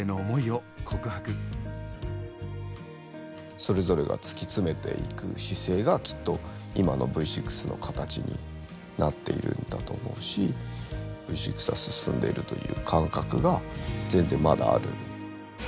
それぞれが突き詰めていく姿勢がきっと今のＶ６の形になっているんだと思うしＶ６は進んでいるという感覚が全然まだある。